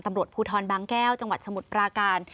ตำรวจภูทรบางแก้วจังหวัดสมุทรปราการ